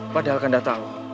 padahal kanda tahu